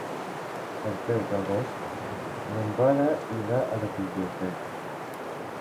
El deu d'agost mon pare irà a la biblioteca.